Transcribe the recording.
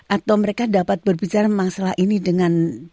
atau mereka dapat berbicara masalah ini dengan